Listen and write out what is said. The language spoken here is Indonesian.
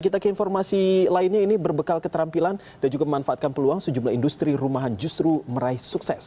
kita ke informasi lainnya ini berbekal keterampilan dan juga memanfaatkan peluang sejumlah industri rumahan justru meraih sukses